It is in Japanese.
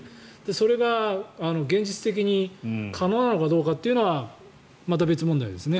それが現実的に可能なのかどうかっていうのはまた別問題ですね。